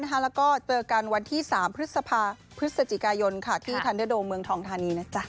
แล้วก็เจอกันวันที่๓พฤศจิกายนที่ทันเดอร์โดเมืองทองทานีนะจ๊ะ